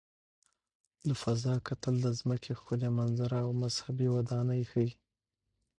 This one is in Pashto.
له فضا کتل د ځمکې ښکلي منظره او مذهبي ودانۍ ښيي.